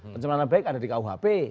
pencerman nama baik ada di kuhp